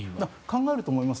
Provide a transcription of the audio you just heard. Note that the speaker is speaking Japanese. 考えると思います。